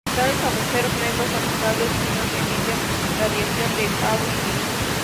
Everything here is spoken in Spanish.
Tales agujeros negros son estables y no emiten radiación de Hawking.